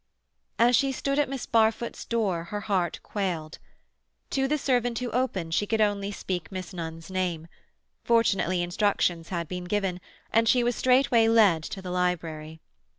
As she stood at Miss Barfoot's door her heart quailed. To the servant who opened she could only speak Miss Nunn's name; fortunately instructions had been given, and she was straightway led to the library.